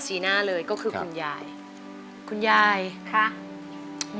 สีหน้าร้องได้หรือว่าร้องผิดครับ